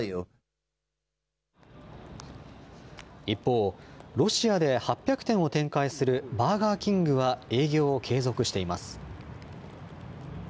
一方、ロシアで８００店を展開するバーガーキングは営業を継続しています。